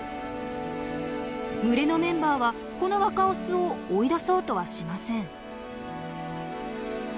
群れのメンバーはこの若オスを追い出そうとはしません。